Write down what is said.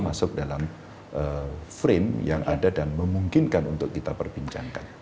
masuk dalam frame yang ada dan memungkinkan untuk kita perbincangkan